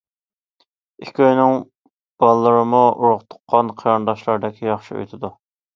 ئىككى ئۆينىڭ بالىلىرىمۇ ئۇرۇق- تۇغقان قېرىنداشلاردەك ياخشى ئۆتىدۇ.